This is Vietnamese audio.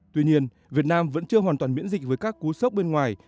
tuy nhiên việt nam vẫn chưa hoàn toàn miễn dịch với các cú sốc bên ngoài